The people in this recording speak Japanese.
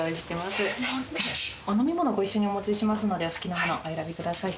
お飲み物ご一緒にお持ちしますのでお好きなものお選びください。